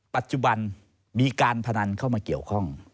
ปัจจุบันมีการพนันเข้ามาเกี่ยวข้อง